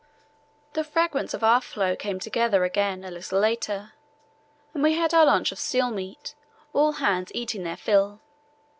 The fragments of our floe came together again a little later, and we had our lunch of seal meat, all hands eating their fill.